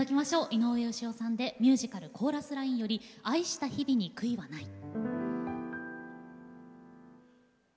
井上芳雄さんでミュージカル「コーラスライン」より「愛した日々に悔いはない」。